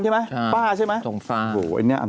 ฟ้าใช่ไหม